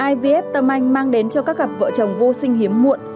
ivf tâm anh mang đến cho các cặp vợ chồng vô sinh hiếm muộn